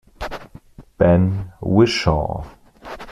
Ben Wishaw